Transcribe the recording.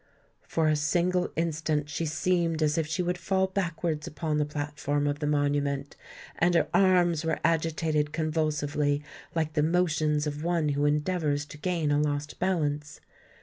For a single instant she seemed as if she would fall backwards upon the platform of the Monument; and her arms were agitated convulsively, like the motions of one who endeavours to gain a lost balance.